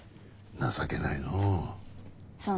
情けないのう。